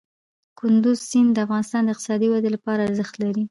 کندز سیند د افغانستان د اقتصادي ودې لپاره ارزښت لري.